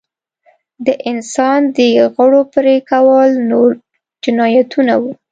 د انسان د غړو پرې کول نور جنایتونه وو.